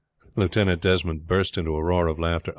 Lieutenant Desmond burst into a roar of laughter.